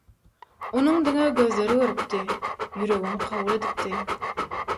Onuň diňe gözleri görüpdi, ýüregem kabul edipdi.